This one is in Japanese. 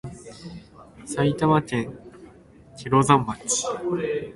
埼玉県毛呂山町